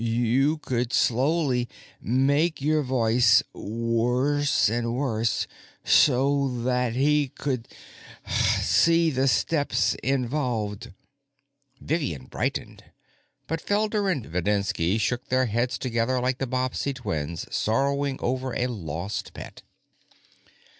You could slowly make your voice worse and worse, so that he could see the steps involved." Vivian brightened, but Felder and Videnski shook their heads together like the Bobbsey Twins sorrowing over a lost pet.